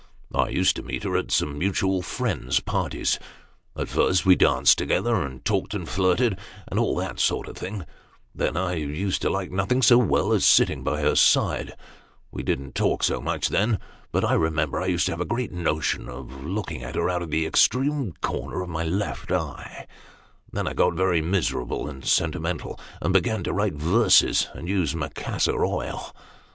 I used to meet her, at some mutual friends' parties ; at first we danced together, and talked, and flirted, and all that sort of thing ; then, I used to like nothing so well as sitting by her side we didn't talk so much then, but I remember I used to have a great notion of looking at her out of the extreme corner of my left eye and then I got very miserable and sentimental, and began to write verses, and use Macassar oil.